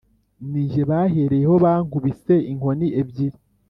ni jye bahereyeho bankubise inkoni ebyiri